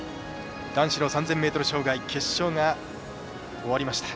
男子の３０００ｍ障害決勝が終わりました。